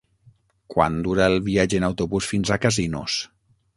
Quant dura el viatge en autobús fins a Casinos?